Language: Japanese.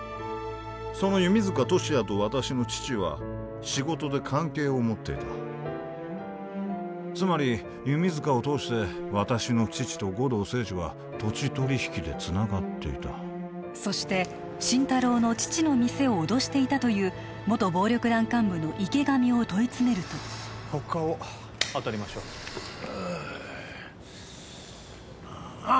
その弓塚敏也と私の父は仕事で関係を持っていたつまり弓塚を通して私の父と護道清二は土地取引でつながっていたそして心太朗の父の店を脅していたという元暴力団幹部の池上を問い詰めると他を当たりましょうあああっ